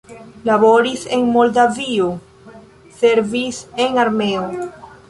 Laboris en Moldavio, servis en armeo.